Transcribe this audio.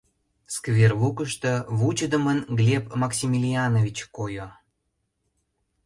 Сквер лукышто вучыдымын Глеб Максимилианович койо.